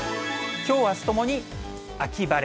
きょう、あすともに秋晴れ。